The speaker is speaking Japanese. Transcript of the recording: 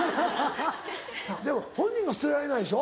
でも本人が捨てられないでしょ